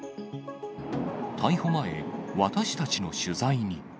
逮捕前、私たちの取材に。